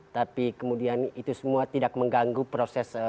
tapi kemudian itu semua tidak mengganggu proses